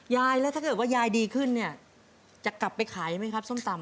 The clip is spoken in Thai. ยายแล้วถ้าเกิดว่ายายดีขึ้นเนี่ยจะกลับไปขายไหมครับส้มตำ